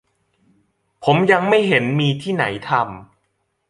ผมยังไม่เห็นมีที่ไหนทำ